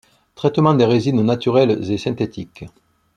Traitement des résines naturelles et synthétiques.